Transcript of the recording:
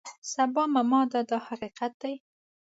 سبا معما ده دا حقیقت دی.